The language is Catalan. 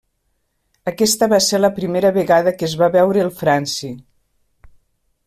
Aquesta va ser la primera vegada que es va veure el franci.